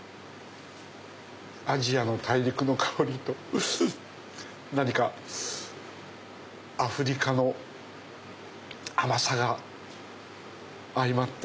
アジアの大陸の香りとアフリカの甘さが相まって。